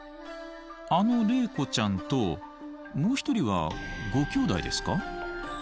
あの麗子ちゃんともう１人はごきょうだいですか？